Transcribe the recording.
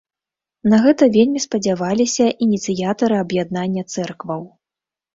На гэта вельмі спадзяваліся ініцыятары аб'яднання цэркваў.